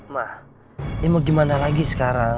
ma ya mau gimana lagi sekarang